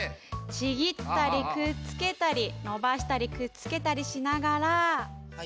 ちぎったりくっつけたりのばしたりくっつけたりしながら。